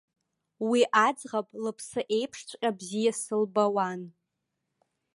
Уи аӡӷаб лыԥсы еиԥшҵәҟьа бзиа сылбауан.